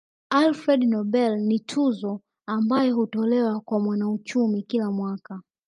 Alfred Nobel ni tuzo ambayo hutolewa kwa mwanauchumi kila mwaka